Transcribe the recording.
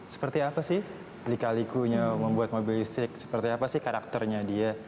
seperti apa sih lika likunya membuat mobil listrik seperti apa sih karakternya dia